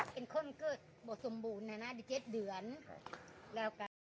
เป็นคนเกิดบทสมบูรณ์นะนะอีก๗เดือนแล้วกัน